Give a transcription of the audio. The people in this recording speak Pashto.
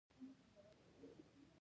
دخوشحال خان خټک زوی صدرخان خټک دﺉ.